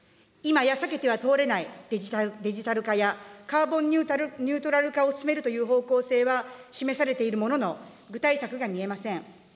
今や避けては通れないデジタル化や、カーボンニュートラル化を進めるという方向性は示されているものの、具体策が見えません。